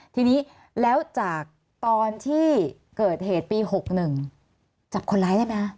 ทีนี้แล้วจากตอนที่เกิดเหตุปี๖๑จับคนร้ายได้ไหมคะ